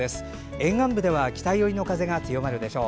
沿岸部では北寄りの風が強まるでしょう。